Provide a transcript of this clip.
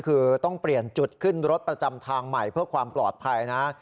คือต้องเปลี่ยนจุดขึ้นรถประจำทางใหม่เพื่อความปลอดภัยนะ